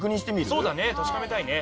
そうだね確かめたいね。